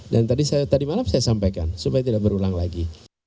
dan tadi malam saya sampaikan supaya tidak berulang lagi